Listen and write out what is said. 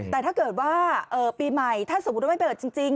แต่ถ้าเกิดว่าปีใหม่ถ้าสมมุติว่าไม่เปิดจริง